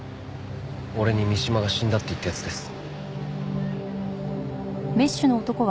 俺に三島が死んだって言った奴です。